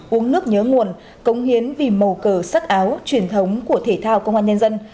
uống nước nhớ nguồn cống hiến vì màu cờ sắc áo truyền thống của thể thao công an nhân dân